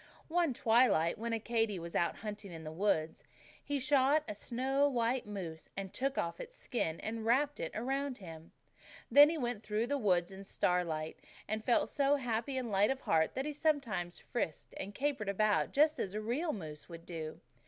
"One twilight, when Accadee was out hunting in the woods, he shot a snow white moose; and he took off its skin and wrapped it around him. Then he went on through the woods in the starlight; and he felt so happy and light of heart that he sometimes frisked and capered about just as a real moose would do.